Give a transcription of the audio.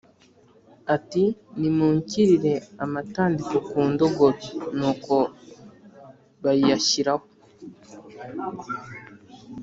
ati “Nimunshyirire amatandiko ku ndogobe” Nuko bayiyashyiraho